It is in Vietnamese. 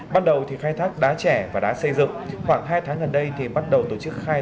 bắt đầu thì khai thác đá trẻ và đá xây dựng khoảng hai tháng gần đây thì bắt đầu tổ chức khai